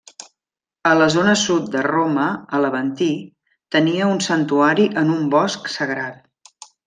A la zona sud de Roma, a l'Aventí, tenia un santuari en un bosc sagrat.